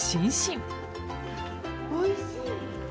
おいしい！